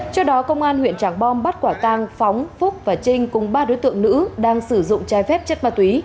trước đó công an huyện tràng bom bắt quả tang phóng phúc và trinh cùng ba đối tượng nữ đang sử dụng trái phép chất ma túy